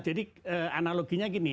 jadi analoginya gini